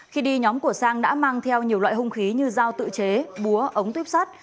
khi đi nhóm của sang đã mang theo nhiều loại hung khí như giao tự chế búa ống tuyếp sắt